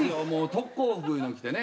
特攻服いうの着てね